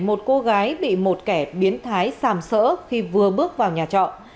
một cô gái bị một kẻ biến thái xàm sỡ khi vừa bước vào nhà trọ